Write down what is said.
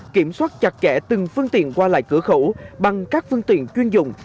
kiểm soát chặt chẽ từng phương tiện qua lại cửa khẩu bằng các phương tiện chuyên dụng